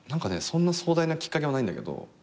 そんな壮大なきっかけはないんだけど。